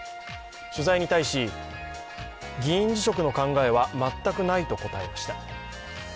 取材に対し、議員辞職の考えは全くないと答えました。